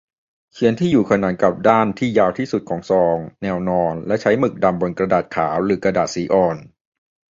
เขียนที่อยู่ขนานกับด้านที่ยาวที่สุดของซอง แนวนอน และใช้หมึกดำบนกระดาษขาวหรือกระดาษสีอ่อน